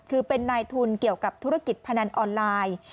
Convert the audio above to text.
คือเป็นนายทุนเกี่ยวกับธุรกิจพนันออนไลน์